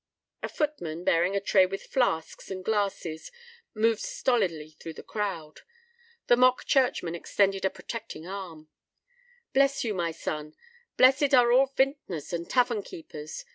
A footman bearing a tray with flasks and glasses moved stolidly through the crowd. The mock churchman extended a protecting arm. "Bless you, my son. Blessed are all vintners and tavern keepers!